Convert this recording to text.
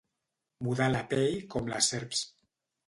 Mudar de pell com les serps.